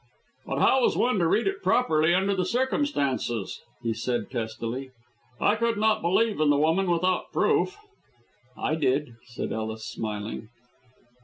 "But how was one to read it properly under the circumstances," he said testily. "I could not believe in the woman without proof." "I did," said Ellis, smiling.